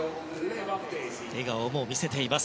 笑顔も見せています